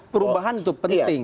perubahan itu penting